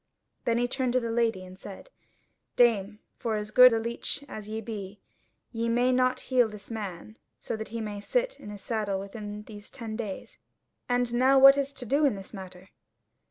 Then he turned to the Lady and said: "Dame, for as good a leech as ye be, ye may not heal this man so that he may sit in his saddle within these ten days; and now what is to do in this matter?"